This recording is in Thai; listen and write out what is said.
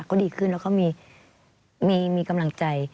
ก็ดีขึ้นแล้วก็มีกำลังใจ